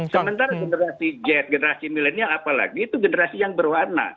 sementara generasi z generasi milenial apalagi itu generasi yang berwarna